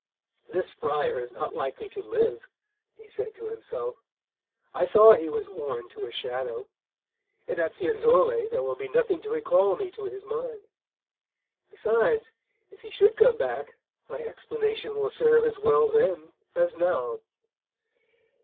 "This friar is not likely to live," he said to himself. "I saw he was worn to a shadow. And at Fiesole there will be nothing to recall me to his mind. Besides, if he should come back, my explanation will serve as well then as now.